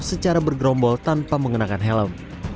secara bergerombol tanpa mengenakan helm